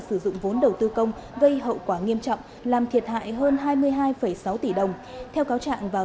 sử dụng vốn đầu tư công gây hậu quả nghiêm trọng làm thiệt hại hơn hai mươi hai sáu tỷ đồng theo cáo trạng vào